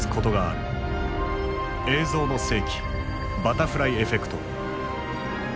「映像の世紀バタフライエフェクト」。